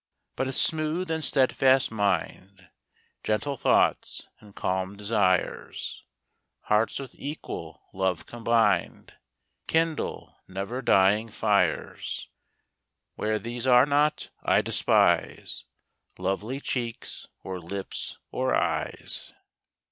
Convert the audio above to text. But a smooth and steadfast mind, Gentle thoughts and calm desires, Hearts with equal love combined, Kindle never dying fires; Where these are not, I despise Lovely cheeks, or lips, or eyes.